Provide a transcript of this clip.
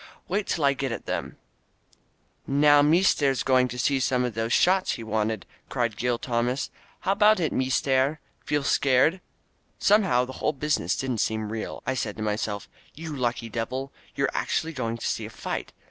"Wait till I get at them !" "Now meester's going to see some of those shots he wanted," cried Gil Tomas. "How about it, meester? Feel scared?" Somehow the whole business didn't seem real. I said to myself, "You lucky devil, you're actually going to see a fight.